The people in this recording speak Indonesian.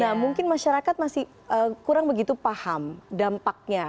nah mungkin masyarakat masih kurang begitu paham dampaknya